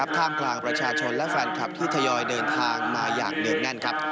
ท่ามกลางประชาชนและแฟนคลับที่ทยอยเดินทางมาอย่างเนื่องแน่น